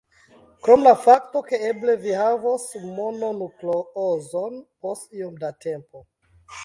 Krom la fakto ke eble vi havos mononukleozon post iom da tempo.